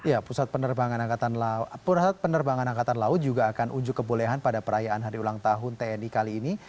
ya pusat penerbangan angkatan laut juga akan unjuk kebolehan pada perayaan hari ulang tahun tni kali ini